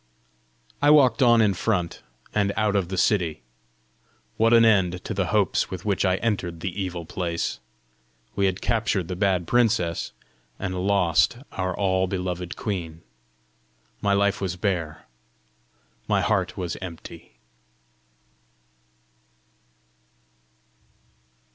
I walked on in front, and out of the city. What an end to the hopes with which I entered the evil place! We had captured the bad princess, and lost our all beloved queen! My life was bare! my heart was empty!